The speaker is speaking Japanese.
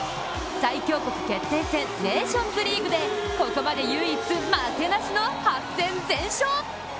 最強国決定戦ネーションズリーグでここまで唯一負けなしの８戦全勝。